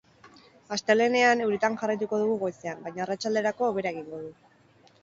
Astelehenean, euritan jarraituko dugu goizean, baina arratsalderako hobera egingo du.